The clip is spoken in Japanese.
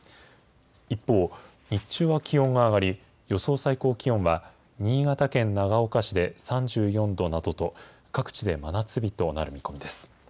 一方、日中は気温は上がり、予想最高気温は新潟県長岡市で３４度などと、各地で真夏日となる見込みです。